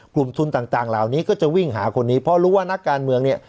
กลุ่มทุนต่างเหล่านี้ก็จะวิ่งหาคนนี้เพราะรู้ว่านักการเมืองเนี่ย